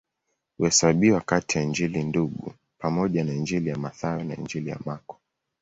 Huhesabiwa kati ya Injili Ndugu pamoja na Injili ya Mathayo na Injili ya Marko.